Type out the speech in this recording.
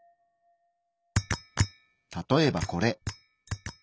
例えばこれ。